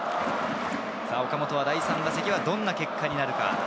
岡本、第３打席はどんな結果になるか。